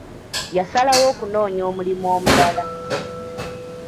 Yasalawo okunoonya omulimu omulala.